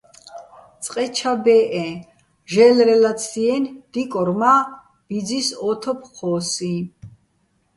წყე ჩა ბეჸეჼ, ჟე́ლრეჼ ლაცდიენი̆, დიკორ მა́ ბიძის ო თოფ ჴო́სიჼ.